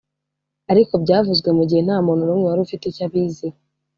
ariko byavuzwe mu gihe nta muntu n’ umwe wari ufite icyo abiziho